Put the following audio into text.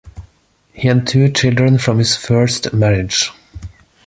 He had two children from his first marriage.